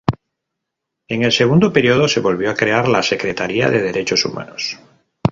En el segundo periodo se volvió a crear la Secretaría de Derechos Humanos.